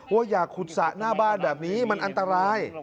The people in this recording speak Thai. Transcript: ว่าอย่าขุดสระหน้าบ้านแบบนี้มันอันตราย